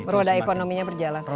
roda ekonominya berjalan